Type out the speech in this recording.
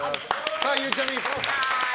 さあ、ゆうちゃみ。